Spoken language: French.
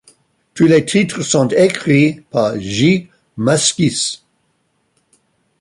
Tous les titres sont écrits par J Mascis.